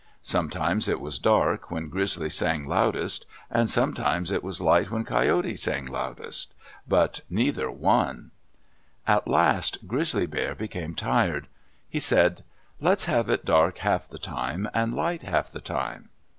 Sometimes it was dark, when Grizzly sang loudest, and sometimes it was light when Coyote sang loudest. But neither won. At last Grizzly Bear became tired. He said, "Let's have it dark half the time, and light half the time."